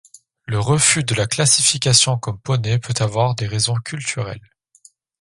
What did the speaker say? Le refus de la classification comme poney peut avoir des raisons culturelles.